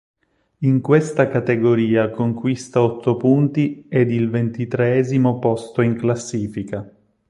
In questa categoria conquista otto punti ed il ventitreesimo posto in classifica.